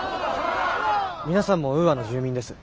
皆さんもウーアの住民です。